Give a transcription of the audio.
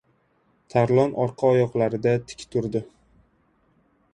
Tarlon orqa oyoqlarida tik turdi!